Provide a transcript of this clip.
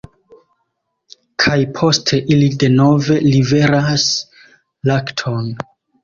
Kaj poste ili denove liveras lakton.